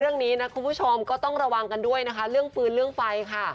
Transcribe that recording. เรื่องนี้นะคุณผู้ชมก็ต้องระวังกันด้วยนะคะเรื่องปืนเรื่องไฟค่ะ